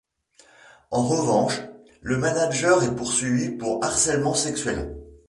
En revanche, le manager est poursuivi pour harcèlement sexuel.